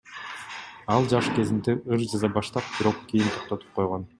Ал жаш кезинде ыр жаза баштап, бирок кийин токтотуп койгон.